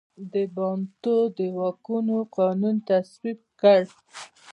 د بانټو د واکونو قانون تصویب کړ.